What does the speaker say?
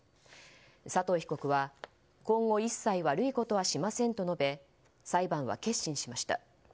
佐藤被告は、今後一切悪いことはしませんと述べ裁判は結審しました。